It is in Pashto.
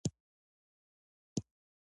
دا متل نر او ښځې ته یو ډول ارزښت ورکوي